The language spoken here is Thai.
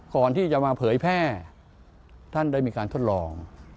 ก่อนที่จะมาเผยแพร่ท่านได้มีการทดลอง